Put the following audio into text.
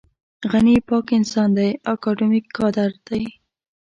غني پاک انسان دی اکاډمیک کادر دی.